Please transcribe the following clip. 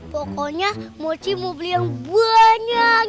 pokoknya mochi mau beli yang banyak